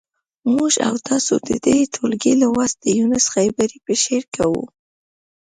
موږ او تاسو د دې ټولګي لوست د یونس خیبري په شعر کوو.